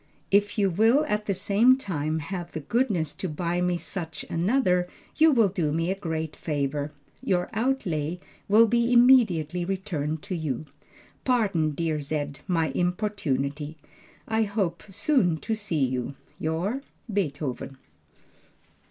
If you will at the same time have the goodness to buy me such another you will do me a great favor. Your outlay will be immediately returned to you. Pardon dear Z my importunity. I hope soon to see you. Your, BTHVN.